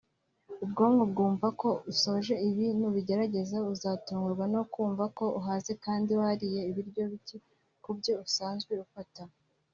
ubwonko bwumva ko usoje ibi nubigerageza uzatungurwa no kumva ko uhaze kandi wariye ibiryo bike kubyo usanzwe ufata